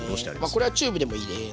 これはチューブでもいいです。